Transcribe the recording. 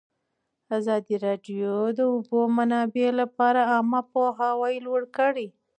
ازادي راډیو د د اوبو منابع لپاره عامه پوهاوي لوړ کړی.